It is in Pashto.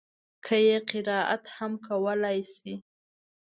هغه يې قرائت هم کولای شي.